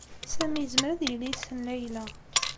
Sami yezmer ad yili yessen Layla.